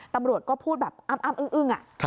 ตำรวจก็พูดแบบอ้ำอึ้ง